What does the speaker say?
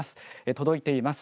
届いています。